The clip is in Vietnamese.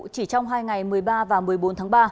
chỉ trong hai ngày một mươi ba và một mươi bốn tháng ba